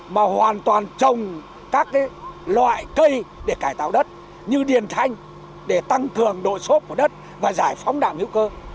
mà hoàn toàn trồng các loại cây để cải tạo đất như điền thanh để tăng cường độ xốp của đất và giải phóng đạm hữu cơ